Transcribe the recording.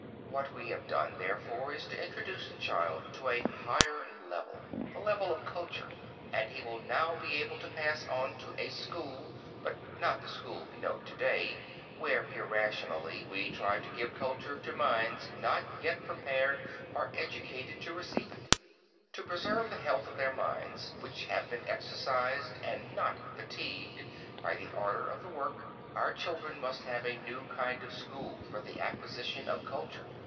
What we have done, therefore, is to introduce the child to a higher level the level of culture and he will now be able to pass on to a school, but not the school we know to day, where, irrationally, we try to give culture to minds not yet prepared or educated to receive it. To preserve the health of their minds, which have been exercised and not fatigued by the order of the work, our children must have a new kind of school for the acquisition of culture.